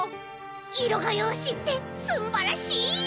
いろがようしってすんばらしい！